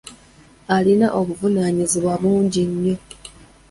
Alina obuvunaanyizibwa bungi nnyo.